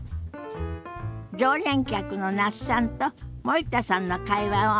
常連客の那須さんと森田さんの会話を見てみましょ。